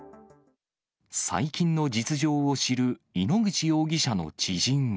最近の実情を知る井ノ口容疑者の知人は。